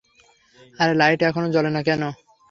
আরে লাইট এখনো জ্বালানো কেন?